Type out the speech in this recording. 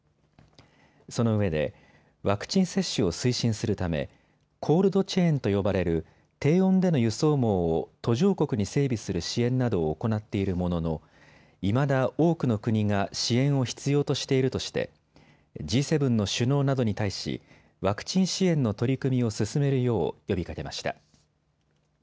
そのうえでワクチン接種を推進するためコールドチェーンと呼ばれる低温での輸送網を途上国に整備する支援などを行っているもののいまだ多くの国が支援を必要としているとしてＧ７の首脳などに対しワクチン支援の取り組みを進めるよう呼びかけました。